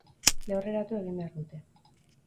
Lehorreratu egin behar dute.